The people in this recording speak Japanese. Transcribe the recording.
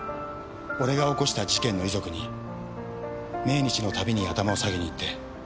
俺が起こした事件の遺族に命日のたびに頭を下げに行って。